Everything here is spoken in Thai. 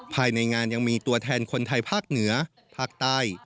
ภายในงานยังมีตัวแทนคนไทยภาคเหนือภาคใต้